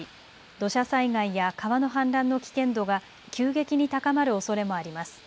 土砂災害や川の氾濫の危険度が急激に高まるおそれもあります。